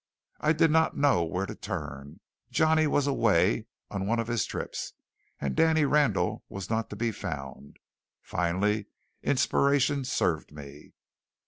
I did not know where to turn; Johnny was away on one of his trips, and Danny Randall was not to be found. Finally inspiration served me.